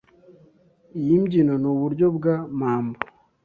Iyi mbyino n’uburyo bwa mambo